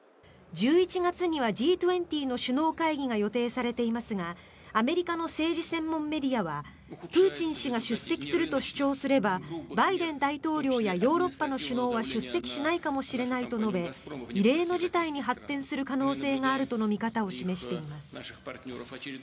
１１月にはＧ２０の首脳会議が予定されていますがアメリカの政治専門メディアはプーチン氏が出席すると主張すればバイデン大統領やヨーロッパの首脳は出席しないかもしれないと述べ異例の事態に発展する可能性があるとの見方を示しています。